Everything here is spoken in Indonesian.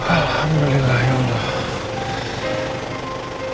alhamdulillah ya allah